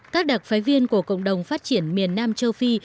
các đặc phái viên của cộng đồng phát triển miền nam châu phi